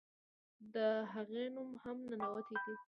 د هغې نوم هم "ننواتې" دے.